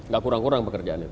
gak kurang kurang pekerjaan itu